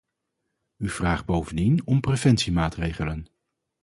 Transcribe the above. U vraagt bovendien om preventiemaatregelen.